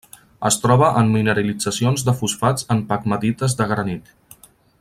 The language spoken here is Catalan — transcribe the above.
Es troba en mineralitzacions de fosfats en pegmatites de granit.